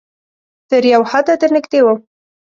تر یو حده درنږدې وم